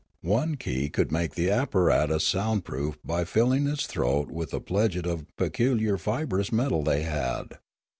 One key could make the apparatus sound proof by filling its throat with a pledget of a peculiar fibrous metal they had.